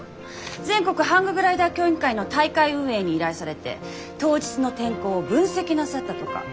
全国ハンググライダー競技会の大会運営に依頼されて当日の天候を分析なさったとか。